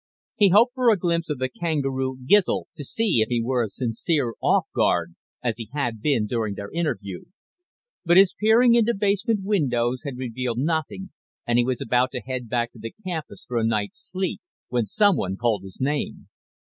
He hoped for a glimpse of the kangaroo Gizl to see if he were as sincere off guard as he had been during their interview. But his peering into basement windows had revealed nothing, and he was about to head back to the campus for a night's sleep when someone called his name.